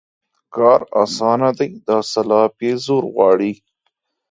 کار اسانه دى ، دسلاپ يې زور غواړي.